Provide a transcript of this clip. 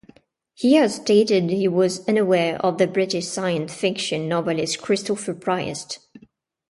He has stated he was unaware of the British science fiction novelist Christopher Priest.